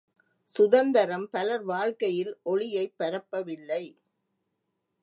சுதந்தரம் பலர் வாழ்க்கையில் ஒளியைப் பரப்பவில்லை.